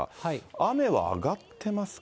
雨は上がっていますか。